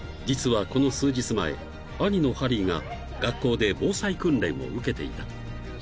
［実はこの数日前兄のハリーが学校で防災訓練を受けていた］